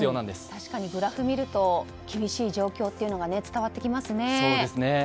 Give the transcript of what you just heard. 確かにグラフを見ると厳しい状況というのが伝わってきますね。